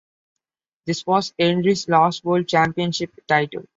This was Hendry's last World Championship title.